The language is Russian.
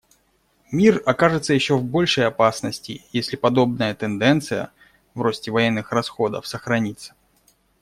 Мир окажется еще в большей опасности, если подобная тенденция в росте военных расходов сохранится.